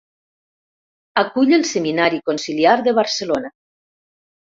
Acull el Seminari Conciliar de Barcelona.